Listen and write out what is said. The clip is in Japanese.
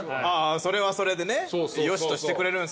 それはそれでねよしとしてくれるんすね。